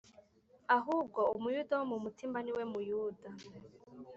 Ahubwo Umuyuda wo mu mutima ni we Muyuda